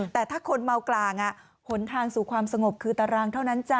แต่ถ้าคนเมากลางหนทางสู่ความสงบคือตารางเท่านั้นจ้